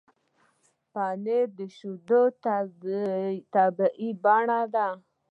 پنېر د شیدو طبیعي بڼه ده.